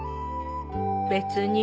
別に。